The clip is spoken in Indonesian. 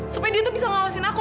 supaya dia tuh bisa ngawasin aku